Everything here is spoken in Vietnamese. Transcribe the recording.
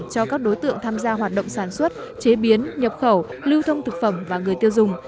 cho các đối tượng tham gia hoạt động sản xuất chế biến nhập khẩu lưu thông thực phẩm và người tiêu dùng